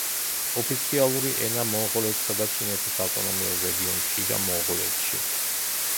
ოფიციალური ენა მონღოლეთსა და ჩინეთის ავტონომიურ რეგიონ შიგა მონღოლეთში.